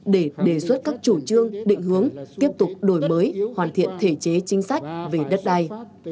để đề xuất các chủ trương định hướng tiếp tục đổi mới hoàn thiện thể chế chính sách về đất đai